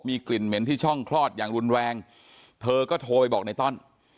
มีกลิ่นเหม็นที่ช่องคลอดอย่างรุนแรงเธอก็โทรไปบอกในต้อน